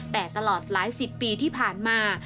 แต่ตลอดหลายสิบปีที่ผ่านมา